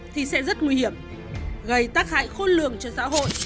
thì sẽ rất nguy hiểm gây tác hại khôn lường cho xã hội